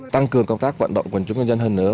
tăng cường công tác vận động của chúng dân hơn nữa